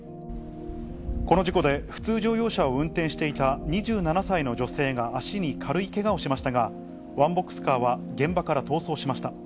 この事故で、普通乗用車を運転していた２７歳の女性が足に軽いけがをしましたが、ワンボックスカーは現場から逃走しました。